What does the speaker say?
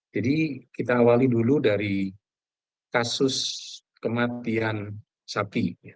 jadi kita awali dulu dari kasus kematian sapi